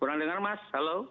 boleh dengar mas halo